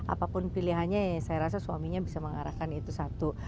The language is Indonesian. apapun pilihannya ya saya rasa suaminya bisa mengarahkan itu satu